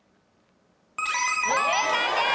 正解です！